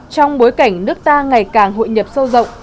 trong bối cảnh nước ta ngày càng hội nhập sâu rộng